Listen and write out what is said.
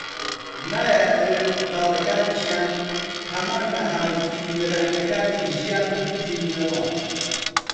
نایانەوێت منداڵەکانیشیان هەمان نەهامەتی و وێرانەییەکانی ژیان ببیننەوە